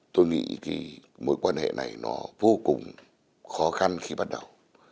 tôi nghĩ cái mối quan hệ này nó vô cùng khó khăn khi bắt đầu